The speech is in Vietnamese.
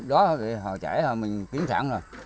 đó thì họ chẻ rồi mình kiến thẳng rồi